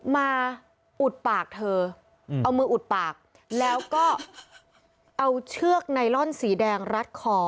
อุดปากเธอเอามืออุดปากแล้วก็เอาเชือกไนลอนสีแดงรัดคอ